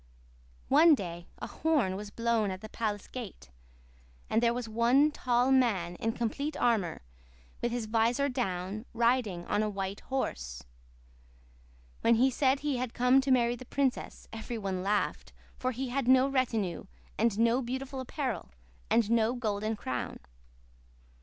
One day a horn was blown at the palace gate; and there was one tall man in complete armor with his visor down, riding on a white horse. When he said he had come to marry the princess every one laughed, for he had no retinue and no beautiful apparel, and no golden crown.